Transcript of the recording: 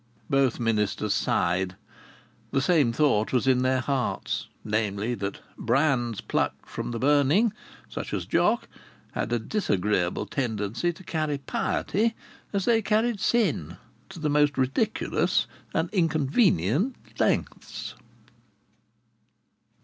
Both ministers sighed. The same thought was in their hearts, namely, that brands plucked from the burning (such as Jock) had a disagreeable tendency to carry piety, as they had carried sin, to the most ridiculous and inconvenient lengths.